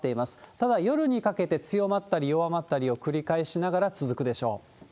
ただ、夜にかけて強まったり弱まったりを繰り返しながら続くでしょう。